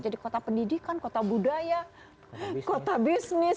jadi kota pendidikan kota budaya kota bisnis kota